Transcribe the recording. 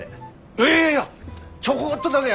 いやいやいやちょこっとだげ